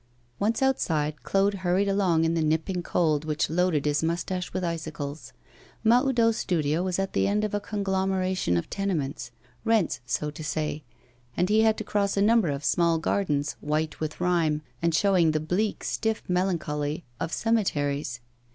Once outside, Claude hurried along in the nipping cold which loaded his moustache with icicles. Mahoudeau's studio was at the end of a conglomeration of tenements 'rents,' so to say and he had to cross a number of small gardens, white with rime, and showing the bleak, stiff melancholy of cemeteries.